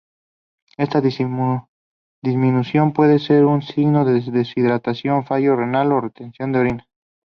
Esta disminución puede ser un signo de deshidratación, fallo renal o retención de orina.